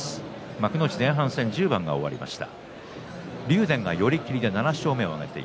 幕内前半戦１０番が終わりました。